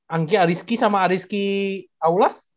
angki ariski sama ariski aulas